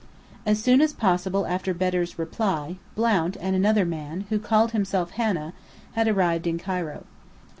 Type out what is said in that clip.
As soon as possible after Bedr's reply, "Blount" and another man, who called himself Hanna, had arrived in Cairo.